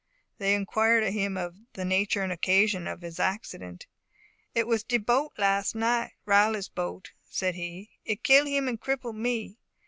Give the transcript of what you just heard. They inquired of him the nature and occasion of his accident. "It was de boat las' night Riley's boat," said he. "It kill him and cripple me.